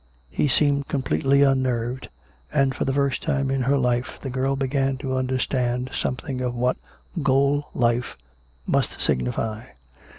He seemed completely unnerved, and for the first time in her life the girl began to understand something of what gaol life must signify.